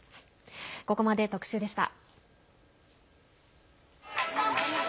ここまで特集でした。